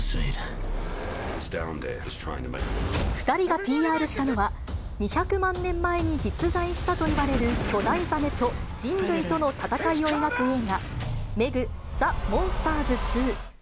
２人がＰＲしたのは、２００万年前に実在したといわれる巨大ザメと人類との闘いを描く映画、ＭＥＧザ・モンスターズ２。